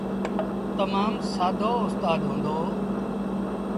تمآم سآدو اُستآد هُݩدو۔